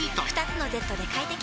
２つの「Ｚ」で快適！